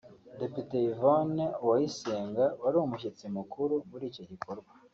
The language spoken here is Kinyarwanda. Depite Yvonne Uwayisenga wari umushyitsi mukuru muri icyo gikorwa